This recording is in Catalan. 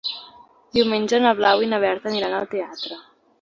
Diumenge na Blau i na Berta aniran al teatre.